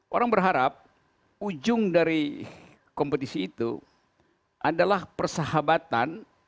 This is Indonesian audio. orang berharap ujung dari kompetisi itu adalah persahabatan